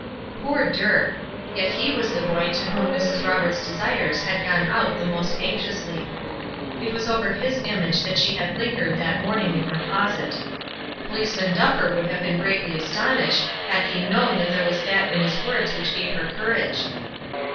Poor Dirk! Yet he was the boy to whom Mrs. Roberts' desires had gone out the most anxiously. It was over his image that she had lingered that morning in her closet. Policeman Duffer would have been greatly astonished had he known there was that in his words which gave her courage.